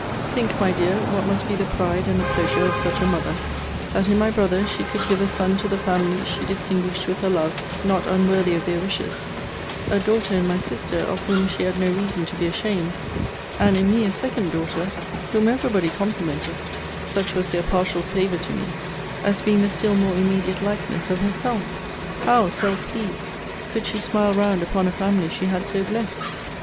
Think, my dear, what must be the pride and the pleasure of such a mother, that in my brother she could give a son to the family she distinguished with her love, not unworthy of their wishes; a daughter, in my sister, of whom she had no reason to be ashamed; and in me a second daughter, whom every body complimented (such was their partial favour to me) as being the still more immediate likeness of herself? How, self pleased, could she smile round upon a family she had so blessed!